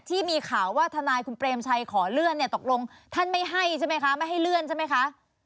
ที่มีข่าวว่าทนายคุณเปรมชัยขอเลื่อนเนี่ยตกลงท่านไม่ให้ใช่ไหมคะไม่ให้เลื่อนใช่ไหมคะ